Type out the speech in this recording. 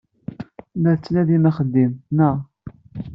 La tettnadim axeddim, naɣ?